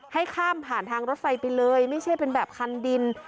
ให้ข้ามผ่านทางรถไฟไปเลยไม่ใช่เป็นแบบคันดิน